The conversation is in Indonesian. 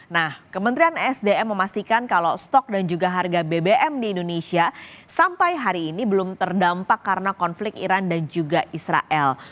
nah kementerian sdm memastikan kalau stok dan juga harga bbm di indonesia sampai hari ini belum terdampak karena konflik iran dan juga israel